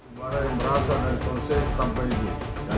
kemarin merasa ada konsep tampan ini